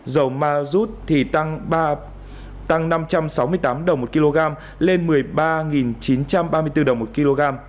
dầu ma rút tăng năm trăm sáu mươi tám đồng một kg lên một mươi ba chín trăm ba mươi bốn đồng một kg